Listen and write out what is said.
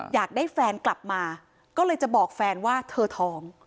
อยากได้แฟนกลับมาก็เลยจะบอกแฟนว่าเธอท้อง